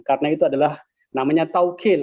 karena itu adalah namanya tawqil